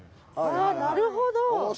あなるほど。